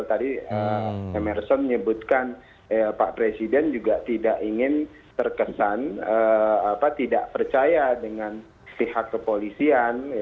tadi emerson menyebutkan pak presiden juga tidak ingin terkesan tidak percaya dengan pihak kepolisian